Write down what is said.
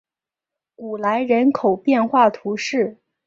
古兰人口变化图示